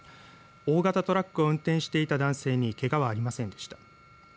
大型トラックを運転していた男性にけがはありませんでした。